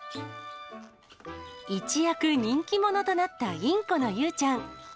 一躍人気者となったインコのユウちゃん。